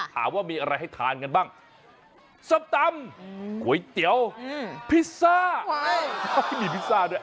ถามว่ามีอะไรให้ทานกันบ้างส้มตำก๋วยเตี๋ยวพิซซ่ามีพิซซ่าด้วย